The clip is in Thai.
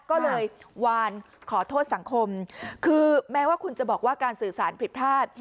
ก็เลยวานขอโทษสังคมคือแม้ว่าคุณจะบอกว่าการสื่อสารผิดพลาด